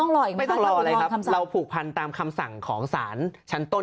เราผูกพันตามคำสั่งของศาลชั้นต้น